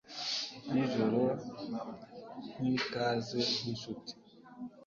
Nijoro nkikaze nkinshuti